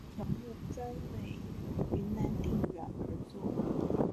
本条目专为云南定远而作。